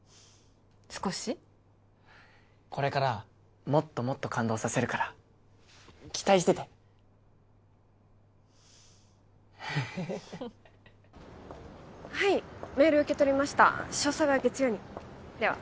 少しこれからもっともっと感動させるから期待しててはいメール受け取りました詳細は月曜にでは